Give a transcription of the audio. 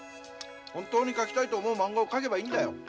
本当に描きたいと思うまんがを描けばいいんだよ。